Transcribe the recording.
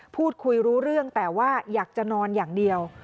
พูดคุยรู้เรื่องแต่ว่าอยากจะนอนอย่างเดียว